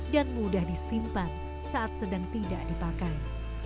mudah disimpan saat sedang tidak dipakai